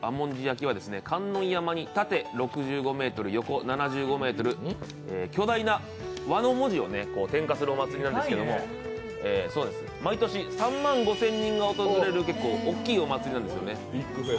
和文字焼きは、観音山に縦６５ｍ、横７５ｍ、巨大な和の文字を点火するお祭りなんですけど、毎年３万５０００人が訪れる結構大きいお祭りです。